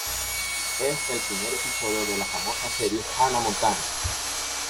Es el primer episodio de la famosa serie Hannah Montana.